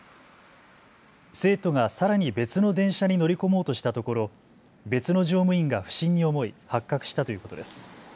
生徒がさらに別の電車に乗り込もうとしたところ、別の乗務員が不審に思い発覚したということです。